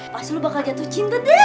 pas lu bakal jatuh cinta dah